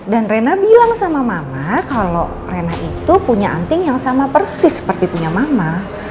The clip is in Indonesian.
dan rena bilang sama mama kalo rena itu punya anting yang sama persis seperti punya mama